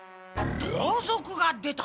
盗賊が出た？